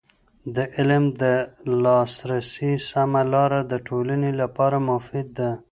د علم د لاسرسي سمه لاره د ټولنې لپاره مفید ده.